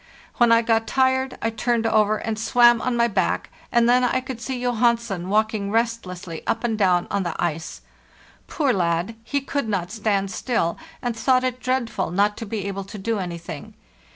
When I got tired I turned over, and swam on my back, and then I could. see Johansen walking restlessly up and down on the ice. Poor lad! He could not stand still, and thought it dreadful not to be able to do anything.